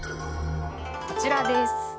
こちらです。